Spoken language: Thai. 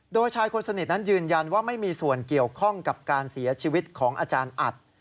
โดยชายคนสนิทนั้นยืนยันว่าไม่มีส่วนเกี่ยวข้องกับการเสียชีวิตของอาจารย์อัด